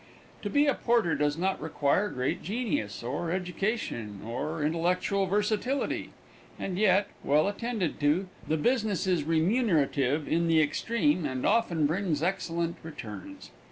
To be a porter does not require great genius, or education, or intellectual versatility; and yet, well attended to, the business is remunerative in the extreme and often brings excellent returns.